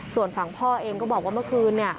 ส่วนฝั่งพ่อเองก็บอกว่าเมื่อคืน